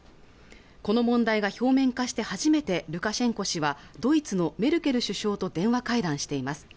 この問題が表面化して初めてルカシェンコ氏はドイツのメルケル首相と電話会談しています